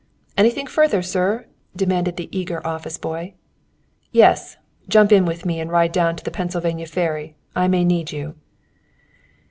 "Anything further, sir?" demanded the eager office boy. "Yes! Jump in with me and ride down to the Pennsylvania Ferry. I may need you."